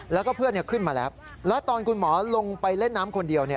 แล้วก็เพื่อนขึ้นมาแล้วแล้วตอนคุณหมอลงไปเล่นน้ำคนเดียว